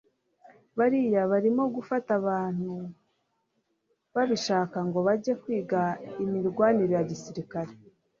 bariya barimo gufata abantu babishaka ngo bajye kwiga imirwanire ya gisirikari